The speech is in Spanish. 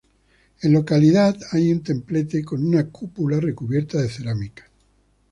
En localidad hay un templete con una cúpula recubierta de cerámica.